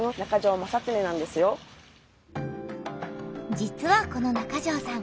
実はこの中條さん